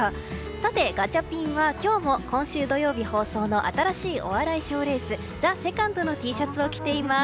さて、ガチャピンは今日も今週土曜日放送の新しいお笑い賞レース「ＴＨＥＳＥＣＯＮＤ」のＴシャツを着ています。